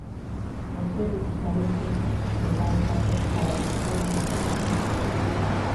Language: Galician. Vostedes parece que van facer para despois non facer nada.